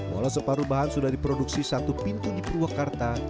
walau separuh bahan sudah diproduksi satu pintu di purwakarta